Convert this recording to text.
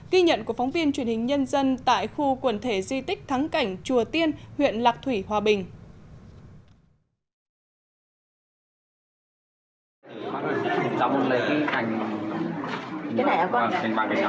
ghi nhận của phóng viên truyền hình nhân dân tại khu quần thể di tích thắng cảnh chùa tiên huyện lạc thủy hòa bình